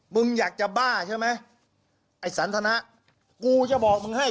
มึงอยากจะบ้าใช่ไหมไอ้สันทนะกูจะบอกมึงให้